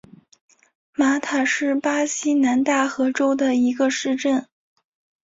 马塔是巴西南大河州的一个市镇。